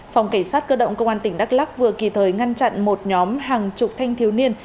phòng cảnh sát cơ động công an tỉnh đắk lắc vừa kịp thời ngăn chặn một nhóm hàng chục thanh thiếu niên